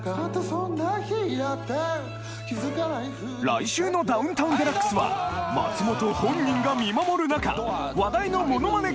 来週の『ダウンタウンＤＸ』は松本本人が見守る中話題のモノマネ